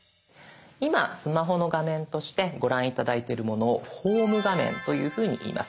今スマホの画面としてご覧頂いてるものを「ホーム画面」というふうにいいます。